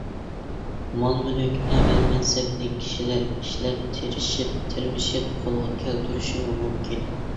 مال-مۈلۈك، ئەمەل-مەنسەپنى كىشىلەر ئىشلەپ، تىرىشىپ-تىرمىشىپ قولغا كەلتۈرۈشىمۇ مۇمكىن.